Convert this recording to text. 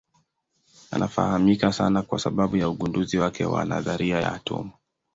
Anafahamika sana kwa sababu ya ugunduzi wake wa nadharia ya atomu.